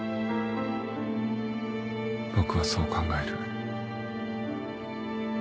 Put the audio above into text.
僕はそう考える。